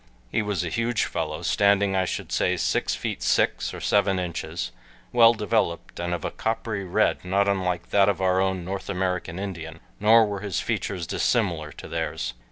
He was a huge fellow, standing I should say six feet six or seven inches, well developed and of a coppery red not unlike that of our own North American Indian, nor were his features dissimilar to theirs.